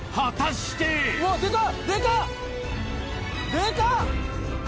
デカっ！